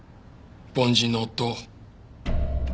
凡人の夫を。